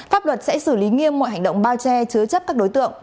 pháp luật sẽ xử lý nghiêm mọi hành động bao che chứa chấp các đối tượng